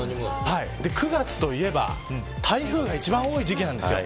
９月といえば台風が一番多い時期なんです。